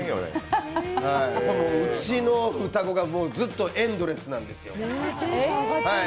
うちの双子がずっとエンドレスなんですよ。